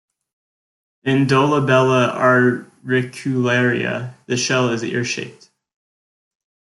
In "Dolabella auricularia", the shell is ear-shaped.